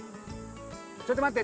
ちょっと待って。